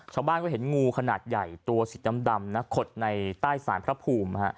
ชาวบ้านก็เห็นงูขนาดใหญ่ตัวสีดำนะขดในใต้สารพระภูมิ